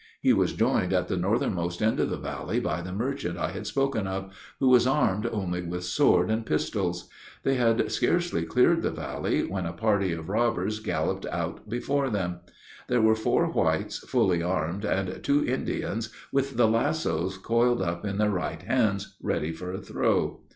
He was joined at the northermost end of the valley by the merchant I had spoken of, who was armed only with sword and pistols. They had scarcely cleared the valley, when a party of robbers galloped out before them. There were four whites, fully armed, and two Indians with the lassos coiled up in their right hands, ready for a throw.